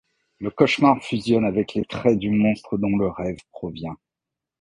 Le cauchemar fusionne avec les traits du monstre dont le rêve provient.